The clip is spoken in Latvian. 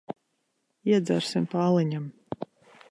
Iedzersim pa aliņam.